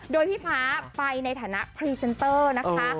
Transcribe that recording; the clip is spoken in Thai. โดยพี่ฟ้าไปในฐานะพรีเซนเตอร์นะคะ